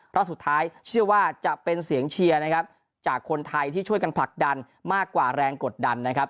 รอบสุดท้ายเชื่อว่าจะเป็นเสียงเชียร์นะครับจากคนไทยที่ช่วยกันผลักดันมากกว่าแรงกดดันนะครับ